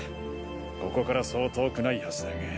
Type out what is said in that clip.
ここからそう遠くないはずだが。